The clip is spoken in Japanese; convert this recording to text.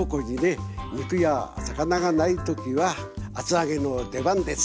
肉や魚がない時は厚揚げの出番です。